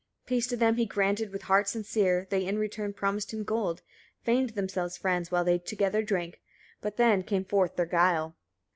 21. Peace to them he granted, with heart sincere; they in return promised him gold, feigned themselves friends, while they together drank; but then came forth their guile.